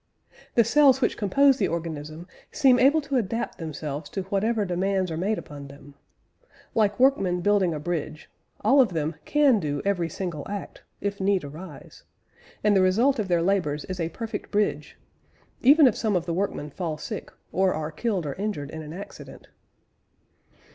The cells which compose the organism seem able to adapt themselves to whatever demands are made upon them. Like workmen building a bridge, all of them can do every single act if need arise and the result of their labours is a perfect bridge, even if some of the workmen fall sick or are killed or injured in an accident.